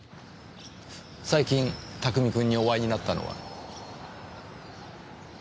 最近拓海君にお会いになったのは？